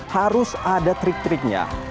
harus ada trik triknya